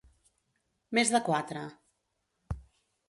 Més de quatre.